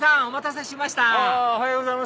お待たせしました